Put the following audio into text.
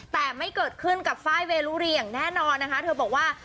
แต่ไม่เกิดขึ้นกับไฟล์เวรุรีอย่างแน่นอนนะคะเธอบอกว่า